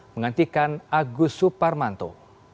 mengantikan agus suparmanto